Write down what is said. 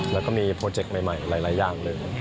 แล้วก็มีโปรเจคใหม่หลายอย่างเลย